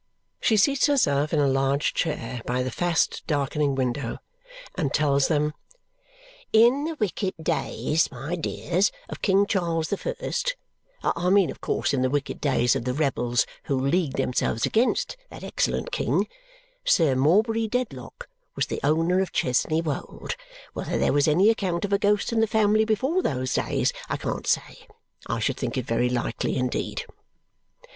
She seats herself in a large chair by the fast darkening window and tells them: "In the wicked days, my dears, of King Charles the First I mean, of course, in the wicked days of the rebels who leagued themselves against that excellent king Sir Morbury Dedlock was the owner of Chesney Wold. Whether there was any account of a ghost in the family before those days, I can't say. I should think it very likely indeed."